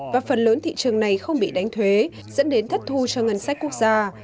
và phần lớn thị trường này không bị đánh thuế dẫn đến thất thu cho ngân sách quốc gia